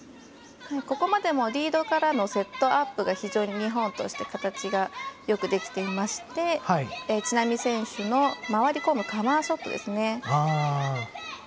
ここまでもリードからのセットアップが非常に日本として形がよくできていまして知那美選手の回り込むショットですね。